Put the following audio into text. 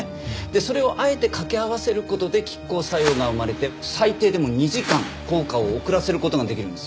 それをあえて掛け合わせる事で拮抗作用が生まれて最低でも２時間効果を遅らせる事ができるんです。